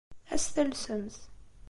Ad as-talsemt.